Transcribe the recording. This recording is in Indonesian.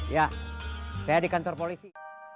ya saya di kantor polisi